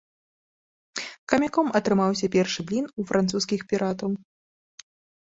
Камяком атрымаўся першы блін у французскіх піратаў.